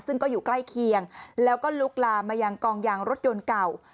ซึ่งก็อยู่ใกล้เคียงแล้วก็ลุกลามมายังกองยางรถยนต์เก่า